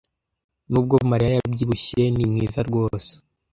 Nubwo Mariya yabyibushye, ni mwiza rwose.